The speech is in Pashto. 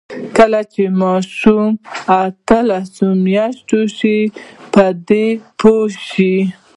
کله چې ماشوم اتلس میاشتنۍ شي، په دې پوه شي.